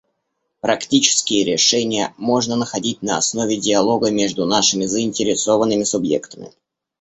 Практические решения можно находить на основе диалога между нашими заинтересованными субъектами.